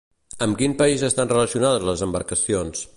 Amb quin país estan relacionades les embarcacions?